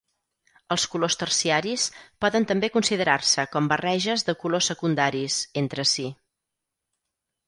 Els colors terciaris poden també considerar-se com barreges de colors secundaris, entre si.